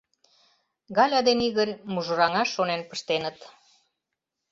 Галя ден Игорь мужыраҥаш шонен пыштеныт.